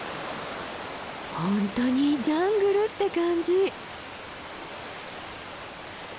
本当にジャングルって感じ。